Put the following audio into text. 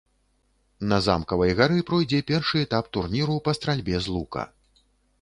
На замкавай гары пройдзе першы этап турніру па стральбе з лука.